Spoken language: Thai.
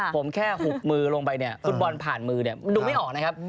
ผมแค่หุบมือลงไปคุณบอลผ่านมือดูไม่ออกนะครับ